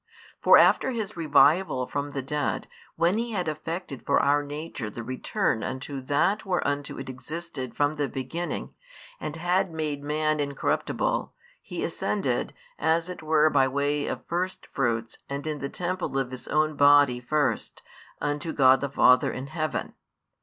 For after His Revival from the dead, when He had effected for our nature the return unto that whereunto it existed from the beginning, and had made man incorruptible, He ascended, as it were by way of first fruits and in the Temple of His own Body first, unto God the Father in heaven.